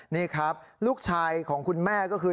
นี่ครับลูกชายของคุณแม่ก็คือ